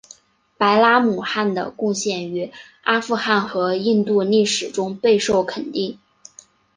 白拉姆汗的贡献于阿富汗和印度历史中备受肯定。